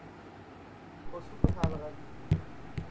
کسوف حلقوی